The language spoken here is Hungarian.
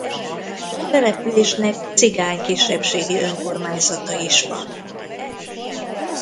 A településnek cigány kisebbségi önkormányzata is van.